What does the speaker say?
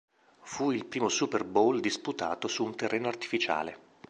Fu il primo Super Bowl disputato su un terreno artificiale.